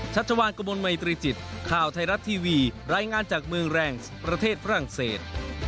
ชัชวานกระมวลมัยตรีจิตข่าวไทยรัฐทีวีรายงานจากเมืองแรงซ์ประเทศฝรั่งเศส